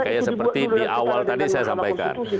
kayak seperti di awal tadi saya sampaikan